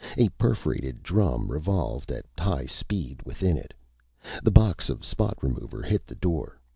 A perforated drum revolved at high speed within it. The box of spot remover hit the door.